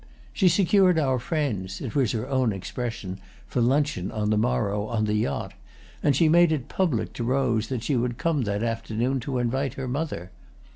She secured our friends—it was her own expression—for luncheon, on the morrow, on the yacht, and she made it public to Rose that she would come that afternoon to invite her mother.